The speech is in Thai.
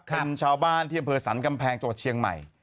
เป็นชาวบ้านที่อำเภอสรรกำแพงจังหวัดเชียงใหม่